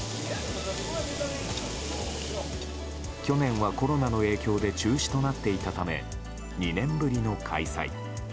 去年はコロナの影響で中止となっていたため２年ぶりの開催。